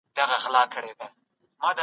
که انلاین لارښوونه وي نو هیله نه ختمیږي.